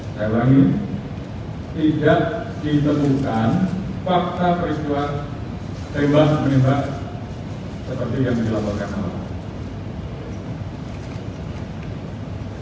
tidak ditemukan fakta peristiwa terima menembak seperti yang dilaporkan awal